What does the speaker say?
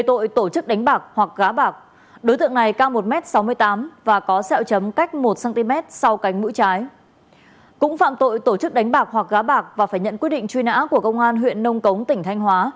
cũng phạm tội tổ chức đánh bạc hoặc gá bạc và phải nhận quyết định truy nã của công an huyện nông cống tỉnh thanh hóa